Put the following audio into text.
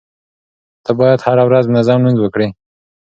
ته بايد هره ورځ منظم لمونځ وکړې.